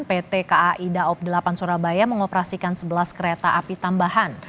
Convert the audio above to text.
pt kai daob delapan surabaya mengoperasikan sebelas kereta api tambahan